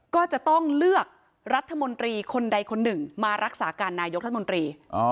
ก็จะต้องเลือกรัฐมนตรีคนใดคนหนึ่งมารักษาการนายกรัฐมนตรี